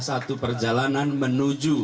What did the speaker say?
satu perjalanan menuju